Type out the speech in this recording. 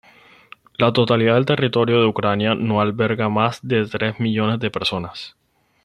La totalidad del territorio de Ucrania no albergaba más de tres millones de personas.